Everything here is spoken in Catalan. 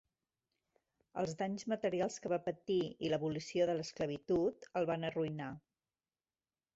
Els danys materials que va patir i l'abolició de l'esclavitud el van arruïnar.